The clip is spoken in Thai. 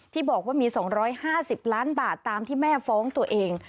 ที่บอกว่ามี๒๕๐ล้านบาทตามที่แม่ฟ้องตัวเอง